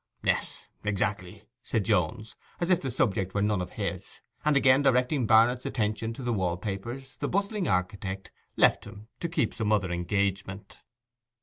'Yes, exactly,' said Jones, as if the subject were none of his. And again directing Barnet's attention to the wall papers, the bustling architect left him to keep some other engagement.